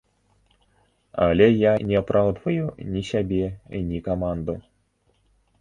Але я не апраўдваю ні сябе, ні каманду.